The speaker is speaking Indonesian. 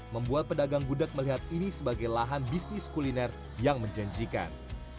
membuat pedagang gudeg melihat ini sebagai lahan bisnis kuliner yang menjanjikan